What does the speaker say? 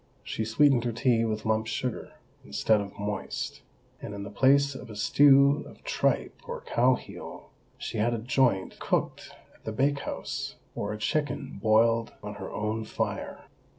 She sweetened her tea with lump sugar, instead of moist; and in the place of a stew of tripe or cow heel, she had a joint cooked at the bake house, or a chicken boiled on her own fire.